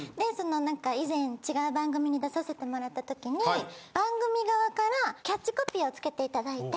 以前違う番組に出させてもらった時に番組側からキャッチコピーをつけていただいて。